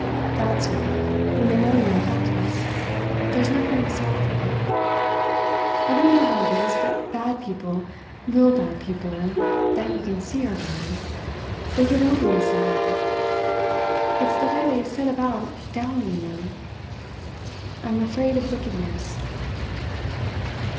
That sort, when they know you are helpless, there's nothing to stop them. I don't know how it is, but bad people, real bad people that you can see are bad, they get over me somehow. It's the way they set about downing one. I am afraid of wickedness."